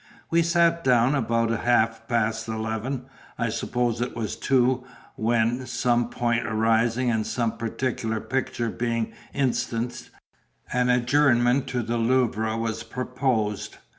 We sat down about half past eleven; I suppose it was two when, some point arising and some particular picture being instanced, an adjournment to the Louvre was proposed.